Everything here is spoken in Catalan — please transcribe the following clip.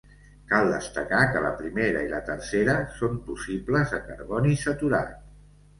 Cal destacar que la primera i la tercera són possibles a carboni saturat.